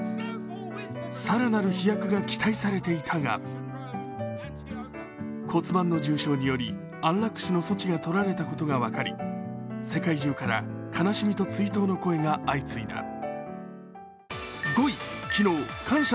更なる飛躍を期待されていたが骨盤の重症により、安楽死の措置が取られたことが分かり、世界中から悲しみと追悼の声が相次いだ。